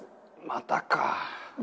またか？